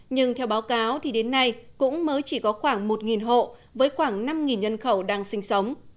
nhưng theo báo cáo thì đến nay cũng mới chỉ có khoảng một hộ với khoảng năm nhân khẩu đang sinh sống